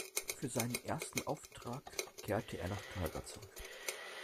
Für seinen ersten Auftrag kehrte er nach Kanada zurück.